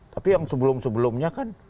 tapi yang sebelum sebelumnya kan